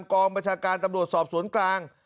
กองบัญชาการตำรวจสอบสวนกลาง